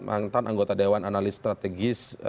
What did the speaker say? mantan anggota dewan analis strategis